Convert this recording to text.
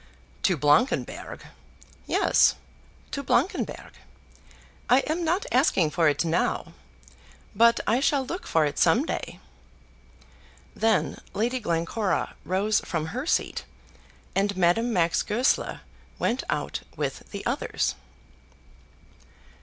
"To Blankenberg!" "Yes; to Blankenberg. I am not asking for it now. But I shall look for it some day." Then Lady Glencora rose from her seat, and Madame Max Goesler went out with the others.